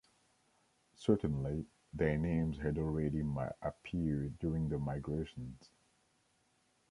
Certainly, their names had already appeared during the Migrations.